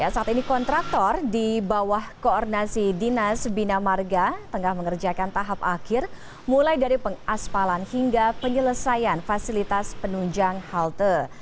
saat ini kontraktor di bawah koordinasi dinas bina marga tengah mengerjakan tahap akhir mulai dari pengaspalan hingga penyelesaian fasilitas penunjang halte